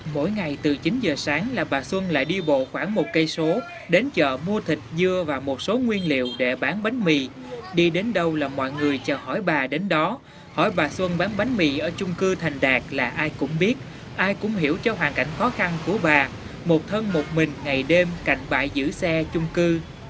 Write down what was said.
mỗi ngày từ chín giờ sáng là bà xuân lại đi bộ khoảng một cây số đến chợ mua thịt dưa và một số nguyên liệu để bán bánh mì đi đến đâu là mọi người chờ hỏi bà đến đó hỏi bà xuân bán bánh mì ở trung cư thành đạt là ai cũng biết ai cũng hiểu cho hoàn cảnh khó khăn của bà một thân một mình ngày đêm cạnh bãi giữ xe trung cư